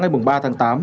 ngày ba tháng tám